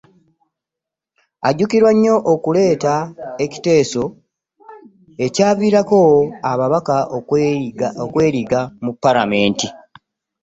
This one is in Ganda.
Ajjukirwa nnyo okuleeta ekiteeso ekyaviirako ababaka okweriga mu Paalamenti